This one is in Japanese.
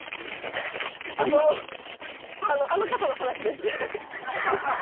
あのあの方の話です。